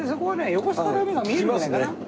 横須賀の海が見えるんじゃないかな。